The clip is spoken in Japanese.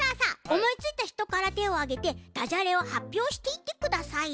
おもいついたひとからてをあげてダジャレをはっぴょうしていってください。